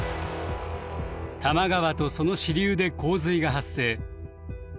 多摩川とその支流で洪水が発生。